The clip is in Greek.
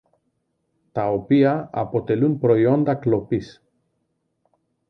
τα οποία αποτελούν προϊόντα κλοπής